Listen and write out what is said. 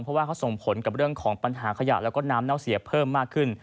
เพราะว่าเขาส่งผลกับเรื่องของปัญหาขยะแล้วก็น้ำเน่าเสียเพิ่มมากขึ้น